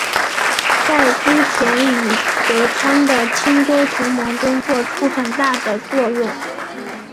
在织田与德川的清洲同盟中作出很大的作用。